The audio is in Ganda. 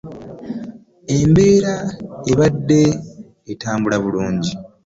Embeere ebadde etambula bulungi.